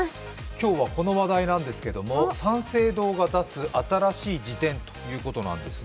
今日はこの話題なんですが、三省堂が出す新しい辞典ということです。